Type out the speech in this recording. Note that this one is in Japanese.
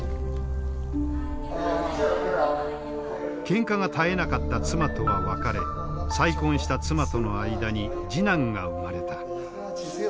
けんかが絶えなかった妻とは別れ再婚した妻との間に次男が生まれた。